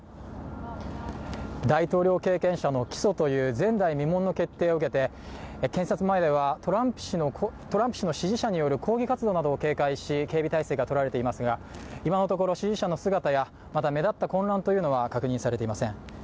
大統領経験者の起訴という前代未聞の決定を受けて検察前では、トランプ氏の支持者による抗議活動などを警戒し、警備態勢がとられていますが、今のところ支持者の姿や、まだ目立った混乱というのは確認されていません。